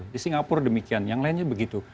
di singapura demikian yang lainnya begitu